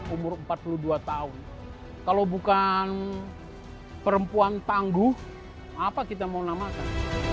umur empat puluh dua tahun kalau bukan perempuan tangguh apa kita mau namakan